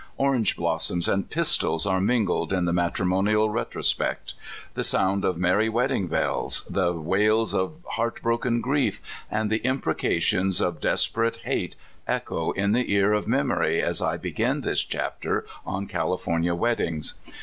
Orange blossoms and pistols are mingled in the matrimonial retrospect. The sound of merry wedding bells, the wails of iieart broken grief, and the imprecations of des perate hate echo in the ear of memory as 1 begin this chapter on " California Weddings."